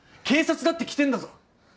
警察だって来てんだぞ！